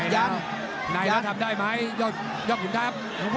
ไหนแล้วทำได้ไหมยอดขุนทัพ